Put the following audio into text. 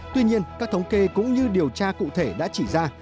tuy nhiên các thống kê cũng như điều tra cụ thể đã chỉ ra